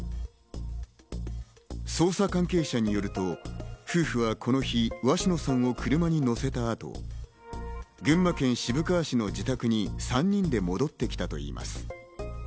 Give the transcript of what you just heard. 捜査関係者によると、夫婦はこの日、鷲野さんを車に乗せた後、群馬県渋川市の自宅に３人で戻ってきたといいます。